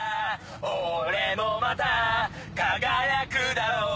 俺もまた輝くだろう